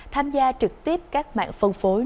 tham gia trực tiếp các mạng phân phối